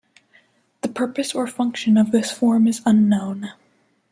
The purpose or function of this form is unknown.